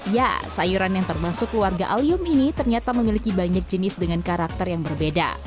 ya sayuran yang termasuk keluarga alium ini ternyata memiliki banyak jenis dengan karakter yang berbeda